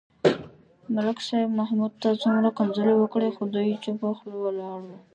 ملک صاحب محمود ته څومره کنځلې وکړې. خو دی چوپه خوله ولاړ و.